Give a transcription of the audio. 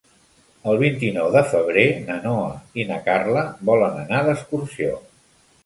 El vint-i-nou de febrer na Noa i na Carla volen anar d'excursió.